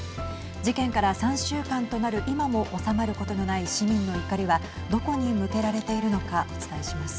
事件から３週間となる今も収まることのない市民の怒りはどこに向けられているのかお伝えします。